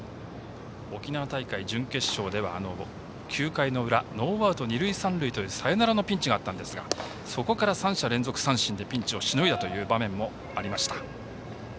沖縄大会の準決勝では９回の裏ノーアウト二塁三塁というサヨナラのピンチがあったんですがそこから３者連続三振でピンチをしのいだ場面もありました。